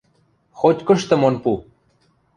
— Хоть-кышты мон пу!